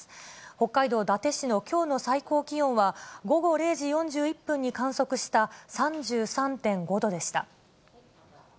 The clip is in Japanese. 北海道伊達市のきょうの最高気温は、午後０時４１分に観測した３３．５度でした。